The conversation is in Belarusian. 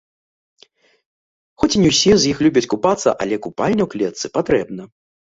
Хоць і не ўсе з іх любяць купацца, але купальня ў клетцы патрэбна.